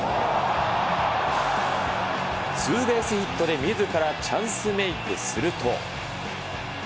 ツーベースヒットでみずからチャンスメークすると。